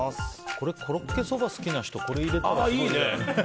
これ、コロッケそば好きな人これ入れたらいいんじゃない？